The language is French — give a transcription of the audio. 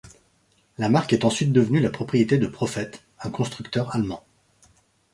La marque est ensuite devenue la propriété de Prophete, un constructeur allemand.